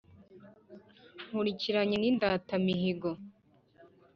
nkurikiranye n’indatamihigo